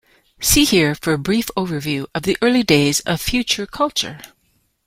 See here for a brief overview of the early days of Future Culture.